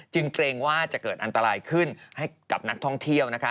เกรงว่าจะเกิดอันตรายขึ้นให้กับนักท่องเที่ยวนะคะ